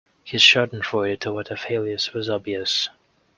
His Schadenfreude toward our failures was obvious.